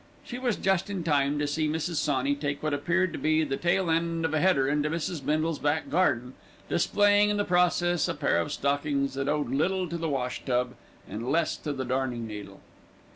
She was just in time to see Mrs. Sawney take what appeared to be the tail end of a header into Mrs. Bindle's back garden, displaying in the process a pair of stockings that owed little to the wash tub, and less to the darning needle.